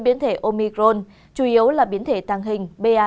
biến thể omicron chủ yếu là biến thể tàng hình ba